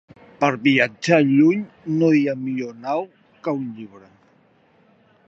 'Per viatjar lluny, no hi ha millor nau que un llibre'.